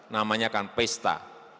namanya kan pesta